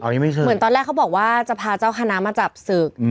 เหมือนตอนแรกเขาบอกว่าจะพาเจ้าคณะมาจับศึก